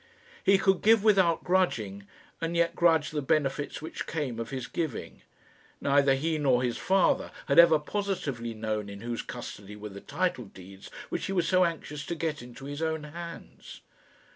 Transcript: He could give without grudging, and yet grudge the benefits which came of his giving. Neither he nor his father had ever positively known in whose custody were the title deeds which he was so anxious to get into his own hands.